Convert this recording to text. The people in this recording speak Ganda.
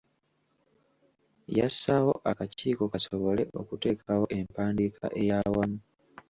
Yassaawo akakiiko kasobole okuteekawo empandiika ey’awamu.